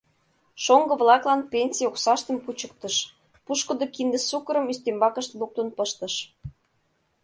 Шоҥго-влаклан пенсий оксаштым кучыктыш, пушкыдо кинде сукырым ӱстембакышт луктын пыштыш.